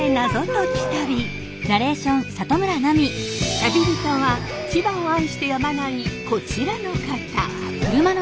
旅人は千葉を愛してやまないこちらの方！